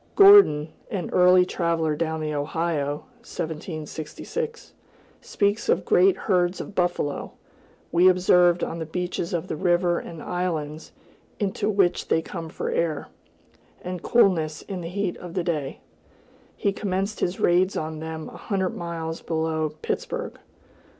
Gordon, an early traveler down the Ohio (1766), speaks of "great herds of buffalo, we observed on the beaches of the river and islands into which they come for air, and coolness in the heat of the day;" he commenced his raids on them a hundred miles below Pittsburg.